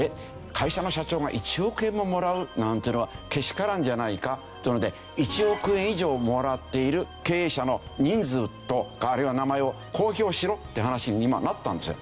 会社の社長が１億円ももらうなんていうのはけしからんじゃないかというので１億円以上もらっている経営者の人数とかあるいは名前を公表しろって話に今なったんですよ。